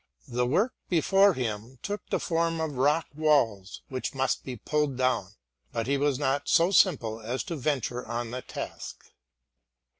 The work before him took the form of rock walls which must be pulled down, but he was not so simple as to venture on the task.